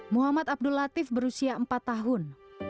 muhammad abdul latif berusia empat tahun